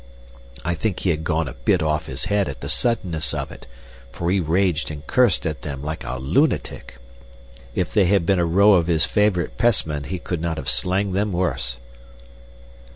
I think he had gone a bit off his head at the suddenness of it, for he raged and cursed at them like a lunatic. If they had been a row of his favorite Pressmen he could not have slanged them worse."